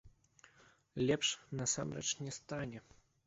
Лепш, насамрэч, не стане.